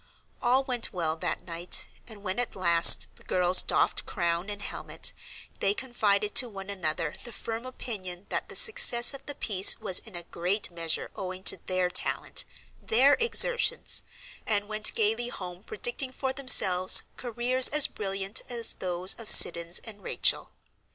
All went well that night, and when at last the girls doffed crown and helmet, they confided to one another the firm opinion that the success of the piece was in a great measure owing to their talent, their exertions, and went gaily home predicting for themselves careers as brilliant as those of Siddons and Rachel.